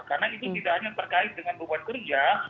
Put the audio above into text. karena itu tidak hanya terkait dengan beban kerja